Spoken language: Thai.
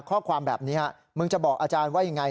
ข้อความแบบนี้มึงจะบอกอาจารย์ว่ายังไง